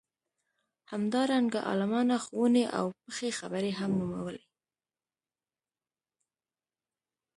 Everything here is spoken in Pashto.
همدارنګه عالمانه ښووني او پخې خبرې هم نومولې.